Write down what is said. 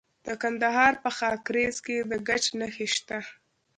د کندهار په خاکریز کې د ګچ نښې شته.